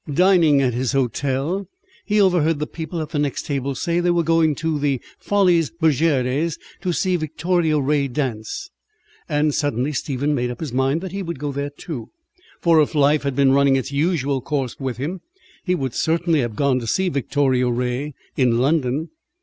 Dining at his hotel, he overheard the people at the next table say they were going to the Folies Bergères to see Victoria Ray dance, and suddenly Stephen made up his mind that he would go there too: for if life had been running its usual course with him, he would certainly have gone to see Victoria Ray in London.